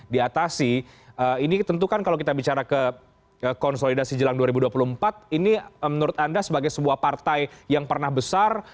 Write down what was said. diatasi ini tentu kan kalau kita bicara ke konsolidasi jelang dua ribu dua puluh empat ini menurut anda sebagai sebuah partai yang pernah besar